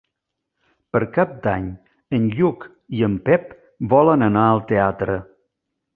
Per Cap d'Any en Lluc i en Pep volen anar al teatre.